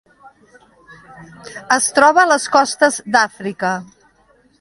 Es troba a les costes d'Àfrica.